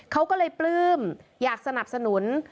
เขาก็เลยปลื้มอยากสนับสนุน